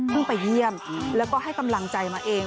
ไปเยี่ยมแล้วก็ให้กำลังใจมาเอง